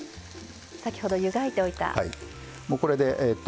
先ほど湯がいておいた。